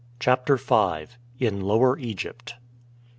CHAPTER V. IN LOWER EGYPT.